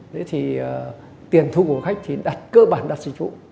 đấy thì tiền thu của khách thì cơ bản đặt dịch vụ